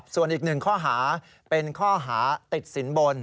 ส่วนอีกหนึ่งข้อหาเป็นข้อหาติดสินบน